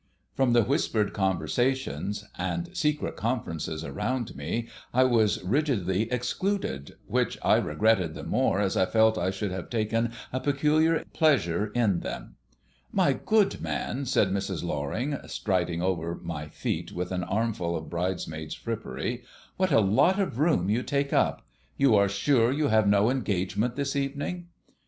From the whispered conversations and secret conferences around me I was rigidly excluded, which I regretted the more as I felt I should have taken a peculiar pleasure in them. "My good man," said Mrs. Loring, striding over my feet with an armful of bridesmaids' frippery, "what a lot of room you take up! You are sure you have no engagement this evening?"